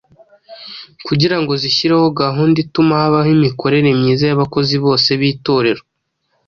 kugira ngo zishyireho gahunda ituma habaho imikorere myiza y’abakozi bose b’Itorero.